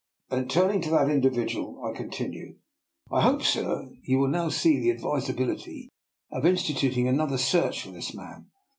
Then turning to that individual, I con tinued: " I hope, sir, you will now see the ad visability of instituting another search for this man.